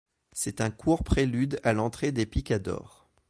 C'est un court prélude à l'entrée des picadors.